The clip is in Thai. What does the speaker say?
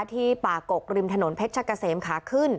ที่ป่ากกริมถนนเพชรกะเสมขาขึ้น